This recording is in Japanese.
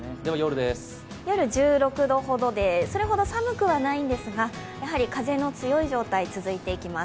夜、１６度ほどで、それほど寒くないんですが、やはり風の強い状態が続いていきます。